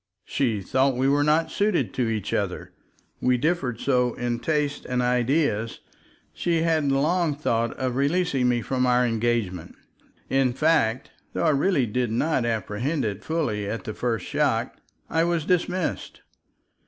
She thought we were not suited to each other, we differed so in tastes and ideas, she had long thought of releasing me from our engagement. In fact, though I really did not apprehend it fully at the first shock, I was dismissed.